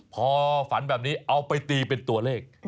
พอฝันแบบนี้เอาไปตีเป็นตัวเลข